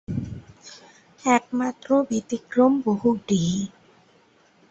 একমাত্র ব্যতিক্রম বহুব্রীহি।